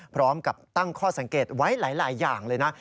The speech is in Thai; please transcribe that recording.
พร้อมกับตั้งข้อสังเกตไว้หลายอย่างเลยนะ